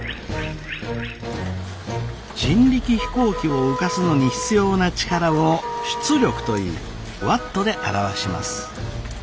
人力飛行機を浮かすのに必要な力を出力といいワットで表します。